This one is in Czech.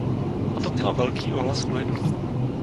A to mělo velký ohlas u lidu.